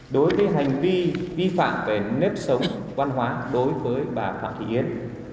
đối với hành vi vi phạm về nếp sống văn hóa đối với bà phạm thị yến